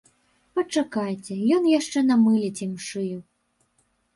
Пачакайце, ён яшчэ намыліць ім шыю!